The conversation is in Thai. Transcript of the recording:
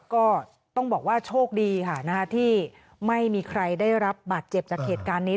ก็ต้องบอกว่าโชคดีค่ะที่ไม่มีใครได้รับบาดเจ็บจากเหตุการณ์นี้